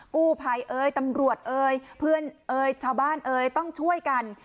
กู้ภัยเอ่ยตำรวจเอ่ยเพื่อนเอ่ยชาวบ้านเอ่ยต้องช่วยกัน